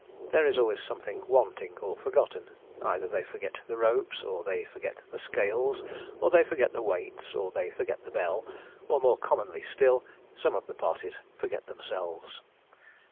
There is always something wanting or forgotten. Either they forget the ropes, or they forget the scales, or they forget the weights, or they forget the bell, or more commonly still some of the parties forget themselves.